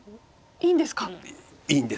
いいんですか。